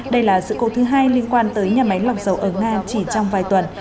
đây là sự cố thứ hai liên quan tới nhà máy lọc dầu ở nga chỉ trong vài tuần